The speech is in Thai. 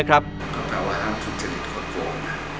ก็แปลว่าห้ามทุนจนิทขอโฟน